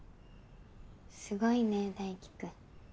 すごいね大貴君。